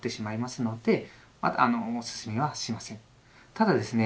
ただですね